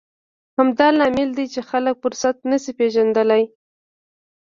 همدا لامل دی چې خلک فرصت نه شي پېژندلی.